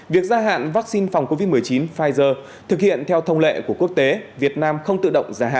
việc gia hạn vaccine phòng covid một mươi chín pfizer thực hiện theo thông lệ của quốc tế việt nam không tự động gia hạn